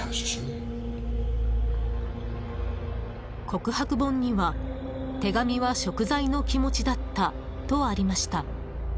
告白本には、手紙は贖罪の気持ちだったとありました。